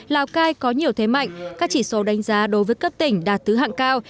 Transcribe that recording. lào cai có nhiều thế mạnh các chỉ số đánh giá đối với cấp tỉnh đạt tứ hạng cao